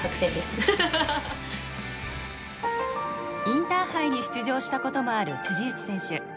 インターハイに出場したこともある辻内選手。